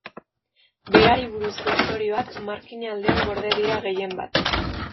Berari buruzko istorioak Markina aldean gorde dira gehienbat.